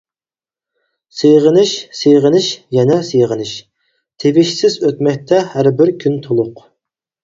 سېغىنىش، سېغىنىش يەنە سېغىنىش، تىۋىشسىز ئۆتمەكتە ھەربىر كۈن تولۇق.